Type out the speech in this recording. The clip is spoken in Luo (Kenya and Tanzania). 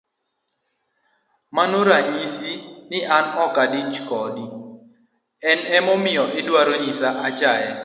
Mano ranyisi ni an okidich koda, ema omiyo idwaro nyisa achaye.